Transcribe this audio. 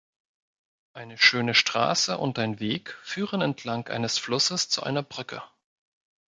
Eine schöne Straße und ein Weg führen entlang eines Flusses zu einer Brücke.